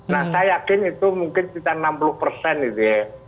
nah saya yakin itu mungkin sekitar enam puluh persen gitu ya